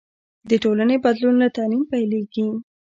د ټولنې بدلون له تعلیم پیلېږي.